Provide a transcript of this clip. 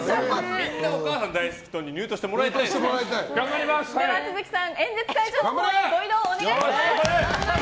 みんなお母さん大好き党に入党してもらいたいですもん。